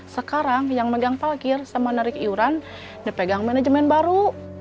sekarang yang megang parkir sama narik iuran dipegang manajemen baru